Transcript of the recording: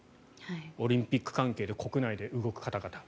オリンピック関係で国内で動く方々。